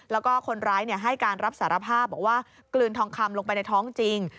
แล้วก็คนร้ายให้การรับสารภาพบอกว่ากลืนทองคำลงไปในท้องจริง